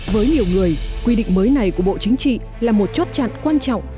với nhiều người quy định mới này của bộ chính trị là một chốt chặn quan trọng